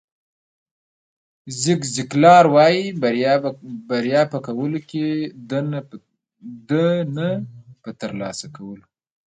زیګ زیګلار وایي بریا په کولو کې ده نه په ترلاسه کولو.